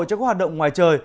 cho các hoạt động ngoài trời